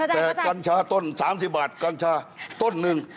แต่กัญชาต้น๓๐บาทกัญชาต้นหนึ่ง